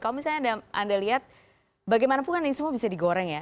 kalau misalnya anda lihat bagaimanapun kan ini semua bisa digoreng ya